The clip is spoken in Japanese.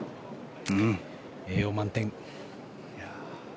栄養満点。